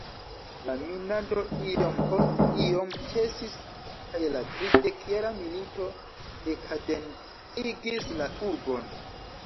La minado iom post iom ĉesis kaj la "tridekjara milito" dekaden-cigis la urbon.